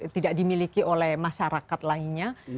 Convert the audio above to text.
tidak dimiliki oleh masyarakat lainnya